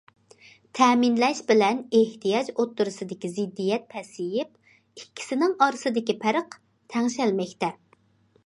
تەمىنلەش بىلەن ئېھتىياج ئوتتۇرىسىدىكى زىددىيەت پەسىيىپ، ئىككىسىنىڭ ئارىسىدىكى پەرق تەڭشەلمەكتە.